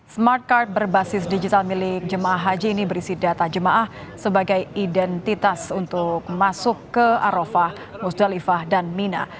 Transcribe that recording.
smart card berbasis digital milik jemaah haji ini berisi data jemaah sebagai identitas untuk masuk ke arafah musdalifah dan mina